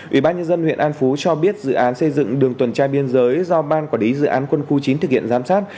ủy ban nhân dân huyện an phú cho biết dự án xây dựng đường tuần tra biên giới do ban quản lý dự án quân khu chín thực hiện giám sát